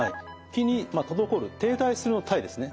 気に滞る停滞するの「滞」ですね。